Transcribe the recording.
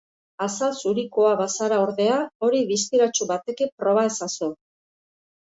Azal zurikoa bazara, ordea, hori distiratsu batekin proba ezazu.